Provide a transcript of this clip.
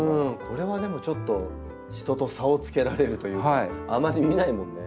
これはでもちょっと人と差をつけられるというかあまり見ないもんね。